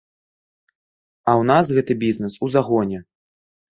А ў нас гэты бізнес у загоне.